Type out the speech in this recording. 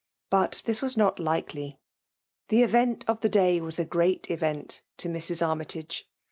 Bat this was not likely. The event of Ae 4aj wai a great event to Mra Aroiytage